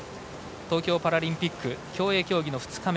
東京パラリンピック競泳競技の２日目。